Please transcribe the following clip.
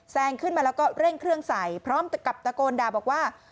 ขึ้นมาแล้วก็เร่งเครื่องใส่พร้อมกับตะโกนด่าบอกว่า